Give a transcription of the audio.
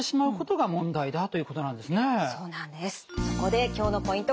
そこで今日のポイント